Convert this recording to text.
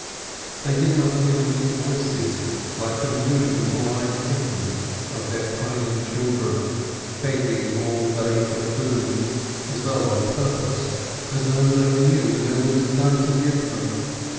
They did not hear the weak voices, like the mewing of blind kittens, of their pining children, begging all day for food as though on purpose — as though they knew there was none to give them.